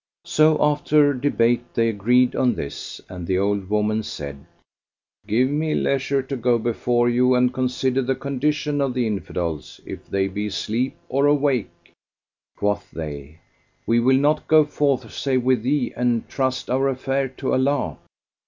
So after debate they agreed on this and the old woman said, "Give me leisure to go before you and consider the condition of the Infidels, if they be asleep or awake." Quoth they, "We will not go forth save with thee and trust our affair to Allah."